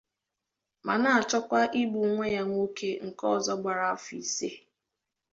ma na-achọkwa igbu nwa ya nwoke nke ọzọ gbara afọ ise.